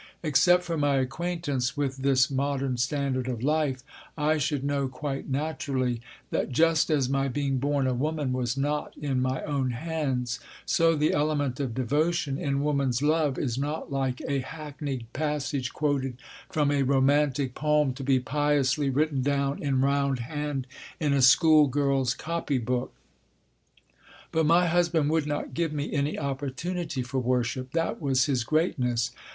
Except for my acquaintance with this modern standard of life, I should know, quite naturally, that just as my being born a woman was not in my own hands, so the element of devotion in woman's love is not like a hackneyed passage quoted from a romantic poem to be piously written down in round hand in a school girl's copy book. But my husband would not give me any opportunity for worship. That was his greatness.